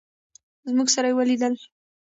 زموږ سره یې ولیدل.